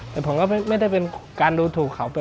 แต่ผมก็ไม่ได้เป็นการดูถูกเขาไป